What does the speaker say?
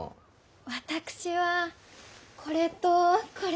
私はこれとこれと。